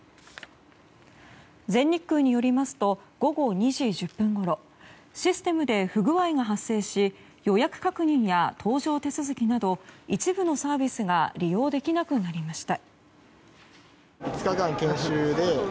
全日空によりますと午後２時１０分ごろシステムで不具合が発生し予約確認や搭乗手続きなど一部のサービスが利用できなくなりました。